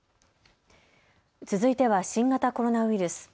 続いては新型コロナウイルス。